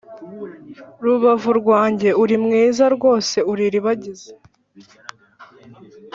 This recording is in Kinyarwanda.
rubavu rwanjye uri mwiza rwose uri iribagiza